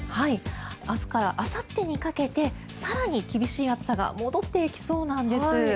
明日からあさってにかけて更に厳しい暑さが戻ってきそうなんです。